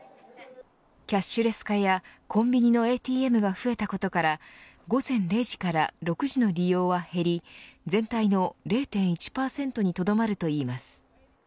キャッシュレス化やコンビニのＡＴＭが増えたことから午前０時から６時の利用は減り全体の０．１％にとどまるといいます。